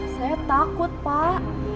saya takut pak